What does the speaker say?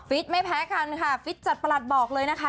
ไม่แพ้กันค่ะฟิตจัดประหลัดบอกเลยนะคะ